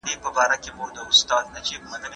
یو پاچا د پښتنو چي ډېر هوښیار وو